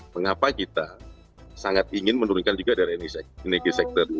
mengapa kita sangat ingin menurunkan juga dari energi sector